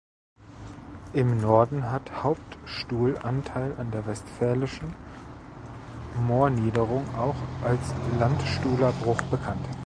Im Norden hat Hauptstuhl Anteil an der Westpfälzischen Moorniederung, auch als Landstuhler Bruch bekannt.